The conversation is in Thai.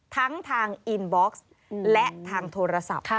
ทั้งทางอินบ็อกซ์และทางโทรศัพท์